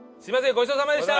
ごちそうさまでした。